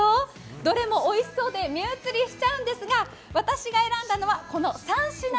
どれもおいしそうで目移りしちゃうんですが、私が選んだのはこの３品。